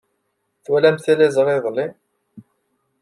Twalamt tiliẓri iḍelli.